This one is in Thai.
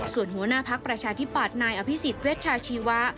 ส่วนหัวหน้าพักประชาธิปัตย์นายอภิษฎเวชชาชีวะ